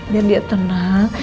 biar dia tenang